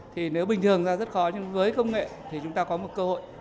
thì nếu bình thường ra rất khó nhưng với công nghệ thì chúng ta có một cơ hội